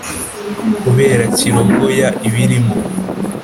kubera kirogoya ibirimo;